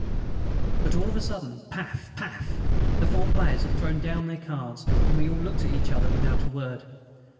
But all of a sudden paf! paf! The four players had thrown down their cards, and we all looked at each other without a word.